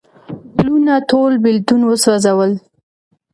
ګلونه ټول بیلتون وسوزل